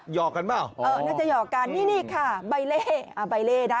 หอกกันเปล่าเออน่าจะหยอกกันนี่นี่ค่ะใบเล่อ่าใบเล่นะ